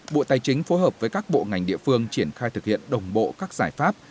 bộ tài chính phối hợp với các bộ ngành địa phương triển khai thực hiện đồng bộ các giải pháp